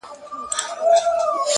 په هډوکو او په غوښو دایم موړ ؤ,